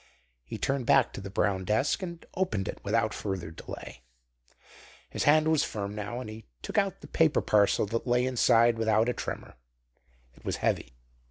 He turned back to the brown desk and opened it without further delay. His hand was firm now, and he took out the paper parcel that lay inside without a tremor. It was heavy.